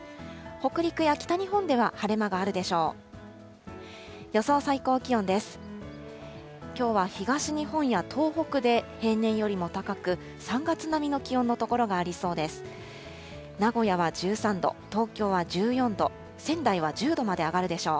北陸や北日本では晴れ間があるでしょう。